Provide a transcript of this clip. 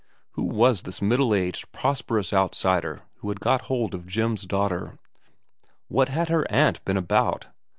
Who was this middle aged, prosperous outsider who had got hold of Jim's daughter ? What had her aunt been about